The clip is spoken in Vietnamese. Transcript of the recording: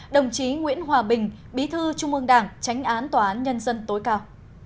đồng chí nguyễn hòa bình bí thư trung ương đảng tránh án tòa án nhân dân tối cao